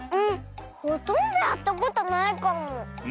んほとんどやったことないかも。